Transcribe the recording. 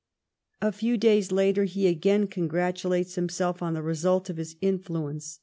A few days later he again congratulates himself on the result of his influence.